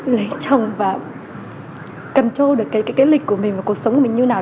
lấy chồng và cầm trô được lịch của mình và cuộc sống của mình như nào